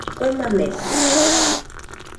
Kue makekɨ